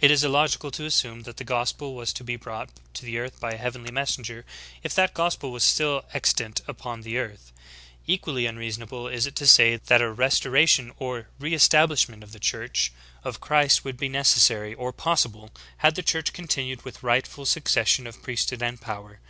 It is illogical to assume that the gospel was to be brought to earth by a heavenly messenger if that gospel was still extant upon the earth. Equally unreasonable is it ^Rev. 13:4, 6 9. yRev. 14: 6, 7. ^2 THE GREAT APOSTASY. to say that a restoration or re establishment of the Church of Christ would be necessary or possible had the Church continued with rightful succession of priesthood and power.